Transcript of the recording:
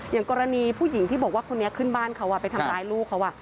อย่างกรณีผู้หญิงที่บอกว่าคนนี้ขึ้นบ้านเขาไปทำร้ายลูกเขา